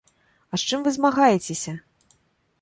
А з чым вы змагаецеся?